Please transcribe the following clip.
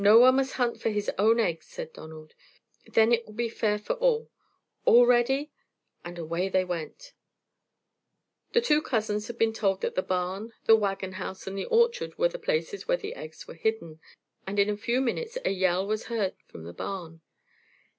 "No one must hunt for his own eggs," said Donald. "Then it will be fair for all. All ready!" and away they went. The two cousins had been told that the barn, the wagon house and the orchard were the places where the eggs were hidden, and in a few minutes a yell was heard in the barn.